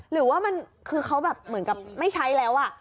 หรือว่ามันคือเขาแบบเหมือนกับไม่ใช้แล้ว